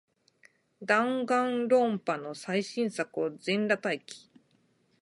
ダンガンロンパの最新作を、全裸待機